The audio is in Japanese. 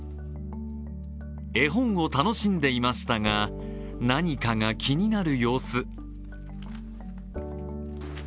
絵本を楽しんでいましたが何かが気になる様子。